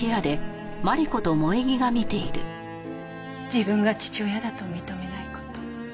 自分が父親だと認めない事。